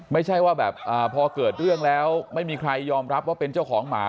ไม่ใช่ว่าแบบพอเกิดเรื่องแล้วไม่มีใครยอมรับว่าเป็นเจ้าของหมา